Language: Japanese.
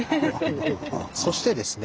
そしてですね